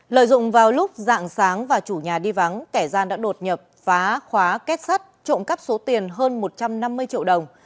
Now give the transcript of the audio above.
lợi dụng vào lúc dạng sáng và chủ nhà đi vắng kẻ gian đã đột nhập phá khóa kết sắt trộm cắp số tiền hơn một trăm năm mươi triệu đồng